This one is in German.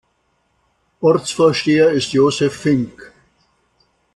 Ortsvorsteher ist Josef Fink.